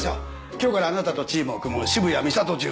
今日からあなたとチームを組む渋谷美里巡査です。